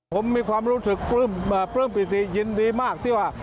ผมมีความรู้สึกปลื้มปิติยินดีมากที่ว่า